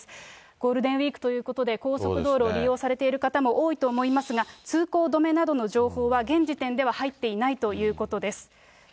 ゴールデンウィークということで、高速道路を利用されてる方も多いと思いますが、通行止めなどの情報は、現時点では入っていないということです。